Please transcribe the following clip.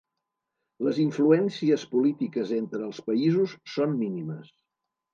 Les influències polítiques entre els països són mínimes.